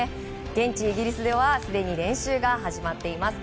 現地イギリスではすでに練習が始まっています。